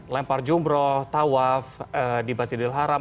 lempar jumroh tawaf dibaca di haram